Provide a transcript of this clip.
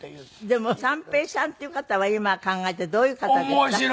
でも三平さんっていう方は今考えてどういう方でした？